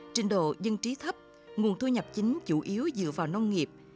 trình độ dân trí thấp nguồn thu nhập chính chủ yếu dựa vào nông nghiệp